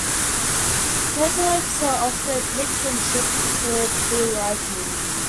Cantaloupes are often picked, and shipped, before fully ripening.